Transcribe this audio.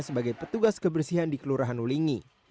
sebagai petugas kebersihan di kelurahan ulingi